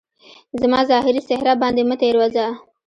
زما ظاهري څهره باندي مه تیروځه